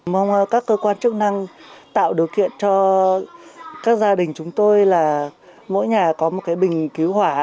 mong các cơ quan chức năng tạo điều kiện cho các gia đình chúng tôi là mỗi nhà có một cái bình cứu hỏa